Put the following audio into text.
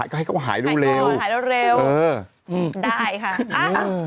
ก็ให้เขาหายดูเร็วเหอะได้ค่ะเอ้าเดี๋ยวก็